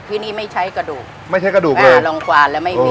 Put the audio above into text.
ที่นี่ไม่ใช้กระดูกไม่ใช่กระดูกอ่าลองกวานแล้วไม่มี